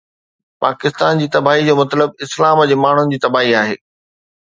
پاڪستان جي تباهي جو مطلب اسلام جي ماڻهن جي تباهي آهي.